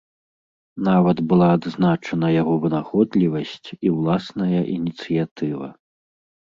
Нават была адзначана яго вынаходлівасць і ўласная ініцыятыва.